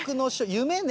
夢ね。